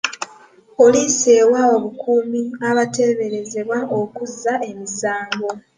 Poliisi ewa obukuumi abateeberezebwa okuzza emisango.